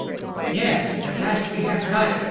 "Yes, at last we have got it!"